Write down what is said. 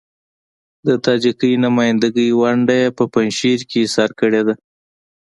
د تاجکي نمايندګۍ ونډه يې په پنجشیر کې اېسار کړې ده.